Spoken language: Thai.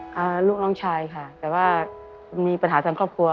ลูกน้องชายค่ะแต่ว่ามีปัญหาทางครอบครัว